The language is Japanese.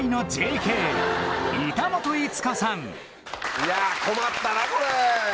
いや困ったなこれ！